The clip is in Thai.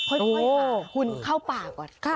โอ้โหคุณเข้าป่าก่อน